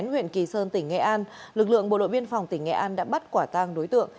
huyện kỳ sơn tỉnh nghệ an lực lượng bộ đội biên phòng tỉnh nghệ an đã bắt quả tang đối tượng